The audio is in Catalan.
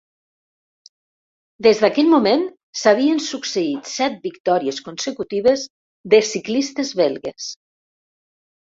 Des d'aquell moment s'havien succeït set victòries consecutives de ciclistes belgues.